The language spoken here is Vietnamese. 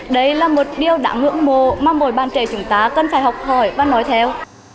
đấy là một điều đã ngưỡng mộ mà mỗi bạn trẻ chúng ta cần phải học hỏi và nói theo